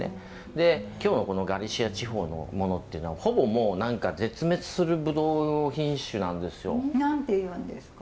で今日のこのガリシア地方のものっていうのはほぼもう絶滅するブドウ品種なんですよ。何て言うんですか？